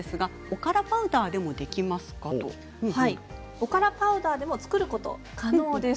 おからパウダーでも造ることは可能です。